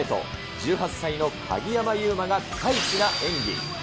１８歳の鍵山優真がピカイチな演技。